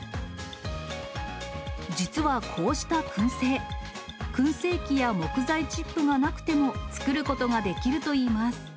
実はこうしたくん製、くん製器や木材チップがなくても、作ることができるといいます。